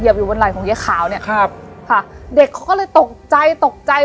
อยู่บนไหล่ของเย้ขาวเนี้ยครับค่ะเด็กเขาก็เลยตกใจตกใจ